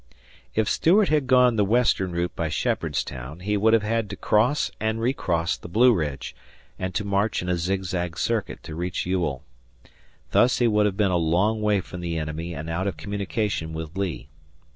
If Stuart had gone the western route by Shepherdstown, he would have had to cross and recross the Blue Ridge and to march in a zigzag circuit to join Ewell. Thus he would have been a long way from the enemy and out of communication with Lee.